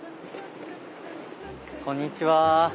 こんにちは。